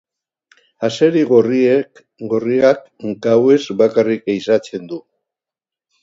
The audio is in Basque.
Azeri gorriak gauez bakarrik ehizatzen du.